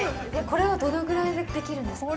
◆これは、どのぐらいでできるんですか。